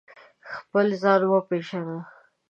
خپل ځان و پېژنه